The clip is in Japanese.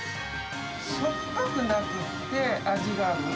しょっぱくなくって、味がある。